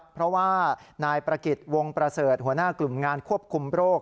เพราะว่านายประกิจวงประเสริฐหัวหน้ากลุ่มงานควบคุมโรค